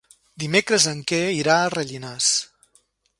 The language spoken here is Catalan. Dimecres en Quer irà a Rellinars.